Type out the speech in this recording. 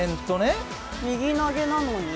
右投げなのに？